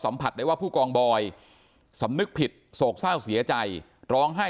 ผัดได้ว่าผู้กองบอยสำนึกผิดโศกเศร้าเสียใจร้องไห้